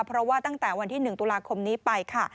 เพราะว่าตั้งแต่วันที่๑ตุลาคมนี้ไปค่ะ